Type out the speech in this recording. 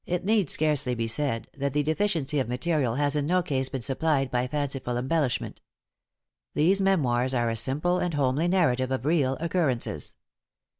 It need scarcely be said that the deficiency of material has in no case been supplied by fanciful embellishment. These memoirs are a simple and homely narrative of real occurrences.